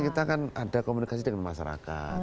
kita kan ada komunikasi dengan masyarakat